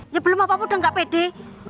ya belum apa apa udah nggak pede